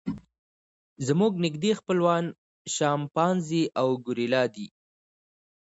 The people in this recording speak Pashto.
زموږ نږدې خپلوان شامپانزي او ګوریلا دي.